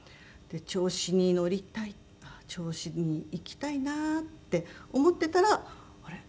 銚子に乗りたい銚子に行きたいなって思ってたらあれ？